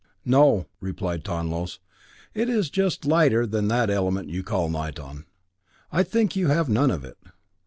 "No," replied Tonlos; "it is just lighter than that element you call niton. I think you have none of it."